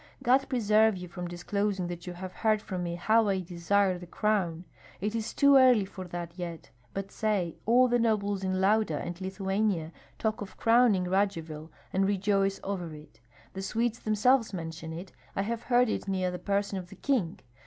God preserve you from disclosing that you have heard from me how I desire the crown, it is too early for that yet, but say, 'All the nobles in Lauda and Lithuania talk of crowning Radzivill, and rejoice over it; the Swedes themselves mention it, I have heard it near the person of the king.'